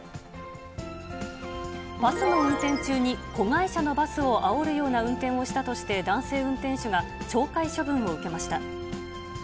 バスの運転中に子会社のバスをあおるような運転をしたとして、男性運転手が懲戒処分を受けました。